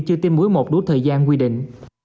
chưa tiêm mũi một đủ thời gian quy định